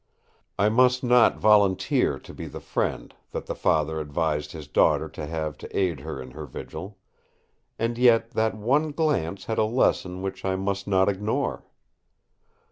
I must not volunteer to be the friend that the father advised his daughter to have to aid her in her vigil; and yet that one glance had a lesson which I must not ignore.